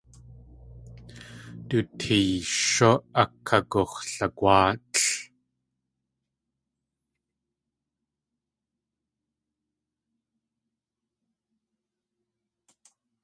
Du tʼeeyshú akagux̲lagwáatl.